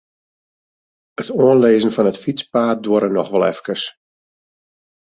It oanlizzen fan it fytspaad duorre noch wol efkes.